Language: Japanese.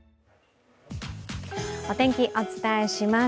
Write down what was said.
お天気、お伝えします。